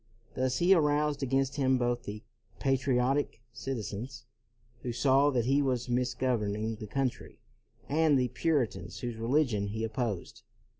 Thus he aroused against him both the patriotic citizens, who saw that he was misgoverning the coun try, and the Puritans whose religion he opposed.